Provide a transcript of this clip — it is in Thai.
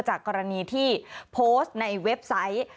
จากกรณีที่โพสต์ในเว็บไซต์